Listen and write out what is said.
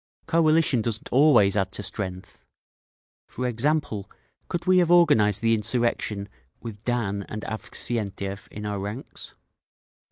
Coalition doesn't always add to strength. For example, could we have organised the insurrection with Dan and Avksentiev in our ranks?"